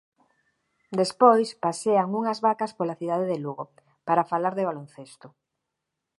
Despois pasean unhas vacas pola cidade de Lugo... para falar de baloncesto!